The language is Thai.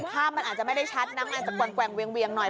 ภาพมันอาจจะไม่ได้ชัดนะมันอาจจะแกว่งเวียงหน่อย